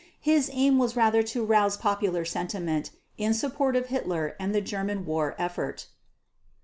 His aim was rather to arouse popular sentiment in support of Hitler and the German war effort.